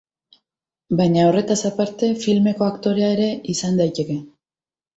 Baina horretaz aparte, filmeko aktorea ere izan daiteke.